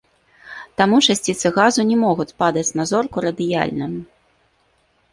Таму часціцы газу не могуць падаць на зорку радыяльна.